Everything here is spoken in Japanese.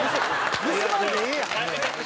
盗まんでええやん！